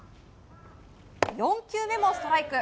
４球目もストライク。